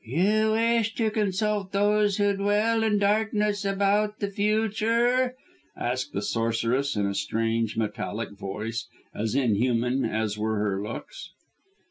"You wish to consult those who dwell in darkness about the future?" asked the sorceress in a strange, metallic voice, as unhuman as were her looks.